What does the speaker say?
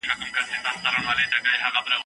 چي دکان ته یې هر څه غوښي راتللې